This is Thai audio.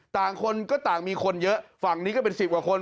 ต่างคนก็ต่างมีคนเยอะฝั่งนี้ก็เป็น๑๐กว่าคน